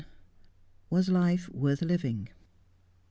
WAS LIFE WORTH LIVING?